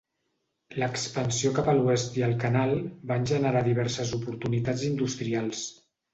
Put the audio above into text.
L"expansió cap a l"oest i el canal van generar diverses oportunitats industrials.